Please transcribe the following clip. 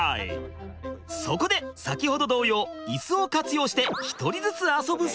そこで先ほど同様イスを活用して１人ずつ遊ぶ作戦に。